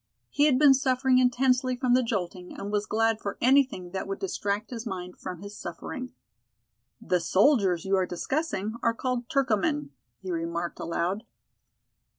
He had been suffering intensely from the jolting and was glad for anything that would distract his mind from his suffering. "The soldiers you are discussing are called 'Turcomen,'" he remarked aloud.